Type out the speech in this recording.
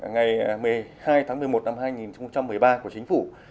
ngày một mươi hai tháng một mươi một năm hai nghìn một mươi ba của chính phủ